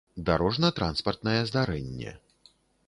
дарожна-транспартнае здарэнне